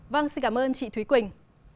vâng xin cảm ơn chị thúy quỳnh